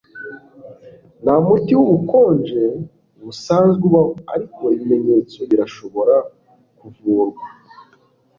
nta muti wubukonje busanzwe ubaho, ariko ibimenyetso birashobora kuvurwa